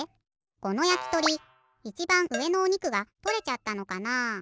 このやきとりいちばんうえのおにくがとれちゃったのかな？